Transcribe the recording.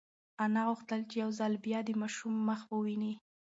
انا غوښتل چې یو ځل بیا د ماشوم مخ وویني.